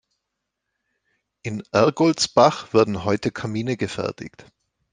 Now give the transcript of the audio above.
In Ergoldsbach werden heute Kamine gefertigt.